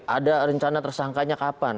ada rencana tersangkanya kapan